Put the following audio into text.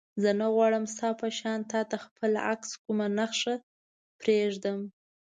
زه نه غواړم ستا په شان تا ته خپل عکس کومه نښه پرېږدم.